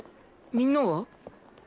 みんなは？